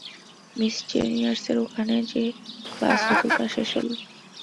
Miss চেমিয়ার্সের ওখানে যে ক্লাস হত তা শেষ হল।